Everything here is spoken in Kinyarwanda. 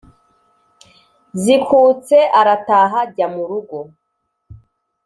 zikutse arataha jya murugo